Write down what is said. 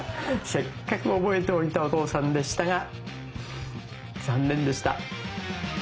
せっかく覚えておいたお父さんでしたが残念でした。